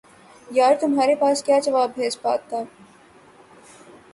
یار تمہارے پاس کیا جواب ہے اس بات کا